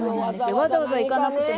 わざわざ行かなくても。